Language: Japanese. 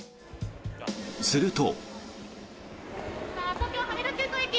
すると。